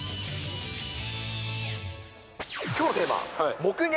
きょうのテーマ、目撃！